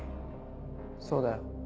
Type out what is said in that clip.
そうだよ。